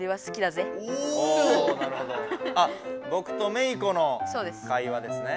あぼくとメイ子の会話ですね。